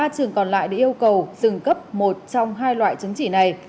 ba trường còn lại đã yêu cầu dừng cấp một trong hai loại chứng chỉ này